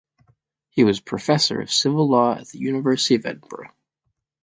He was Professor of Civil Law at the University of Edinburgh.